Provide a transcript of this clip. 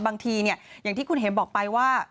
บางทีอย่างที่คุณเห็มบอกไปว่า